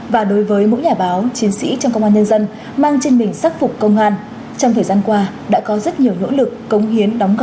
và bảo vệ vững chắc nền tảng tư tưởng của đảng